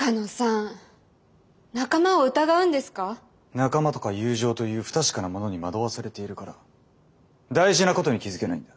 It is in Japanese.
仲間とか友情という不確かなものに惑わされているから大事なことに気付けないんだ。